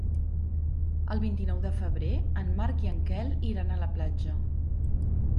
El vint-i-nou de febrer en Marc i en Quel iran a la platja.